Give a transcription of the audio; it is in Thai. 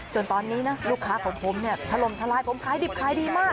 จนตอนนี้ลูกค้าของผมถล่มทลายผมคล้ายดิบคล้ายดีมาก